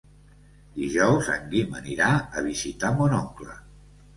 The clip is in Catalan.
Dijous en Guim anirà a visitar mon oncle.